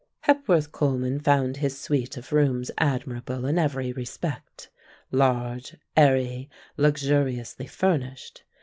Hepworth Coleman found his suit of rooms admirable in every respect, large, airy, luxuriously furnished.